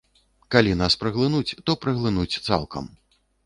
Калі нас праглынуць, то праглынуць цалкам.